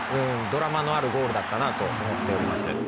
ドラマのあるゴールだったなと思っております。